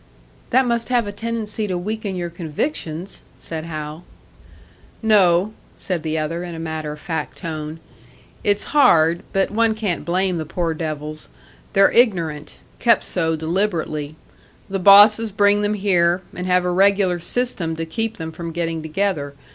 "That must have a tendency to weaken your convictions," said Hal. "No," said the other, in a matter of fact tone. "It's hard, but one can't blame the poor devils. They're ignorant kept so deliberately. The bosses bring them here, and have a regular system to keep them from getting together.